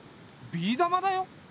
ビー玉だよ。